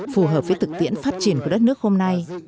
phù hợp với thực tiễn phát triển của đất nước hôm nay